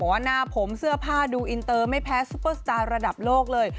ว่าหน้าผมเสื้อผ้าดูอินเตอร์ไม่แพ้ซุปเปอร์สตาร์ระดับโลกเลย